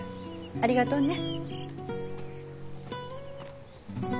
ありがとうね。